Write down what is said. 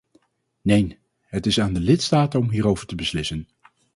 Neen, het is aan de lidstaten om hierover te beslissen.